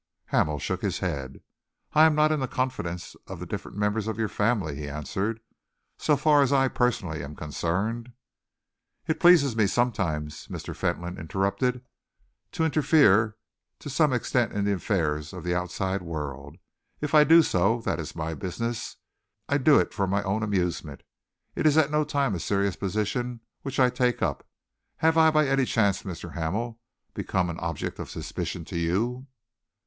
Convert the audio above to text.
Hamel shook his head. "I am not in the confidence of the different members of your family," he answered. "So far as I, personally, am concerned " "It pleases me sometimes," Mr. Fentolin interrupted, "to interfere to some extent in the affairs of the outside world. If I do so, that is my business. I do it for my own amusement. It is at no time a serious position which I take up. Have I by any chance, Mr. Hamel, become an object of suspicion to you?"